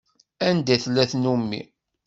Anda i tella tnumi.